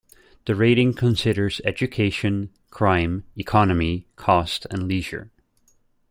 The rating considers education, crime, economy, cost and leisure.